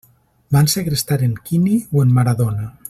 Van segrestar en Quini o en Maradona?